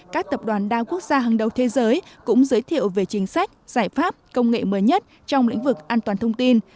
các tập đoàn đa quốc gia hàng đầu thế giới cũng giới thiệu về chính sách giải pháp công nghệ mới nhất trong lĩnh vực an toàn thông tin